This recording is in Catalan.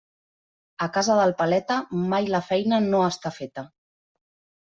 A casa del paleta mai la feina no està feta.